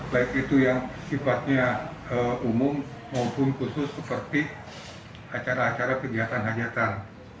baik itu yang sifatnya umum maupun khusus seperti acara acara kegiatan hajatan